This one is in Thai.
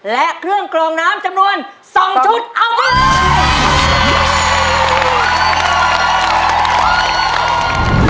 และเครื่องกรองน้ำจำนวน๒ชุดเอาครับ